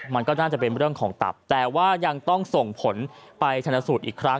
มันก็น่าจะเป็นเรื่องของตับแต่ว่ายังต้องส่งผลไปชนะสูตรอีกครั้ง